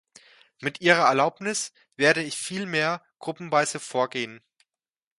Mit Ihrer Erlaubnis werde ich vielmehr gruppenweise vorgehen.